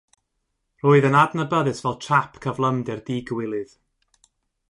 Roedd yn adnabyddus fel trap cyflymder digywilydd.